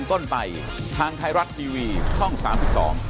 ขอบพรคุณนะครับสวัสดีครับ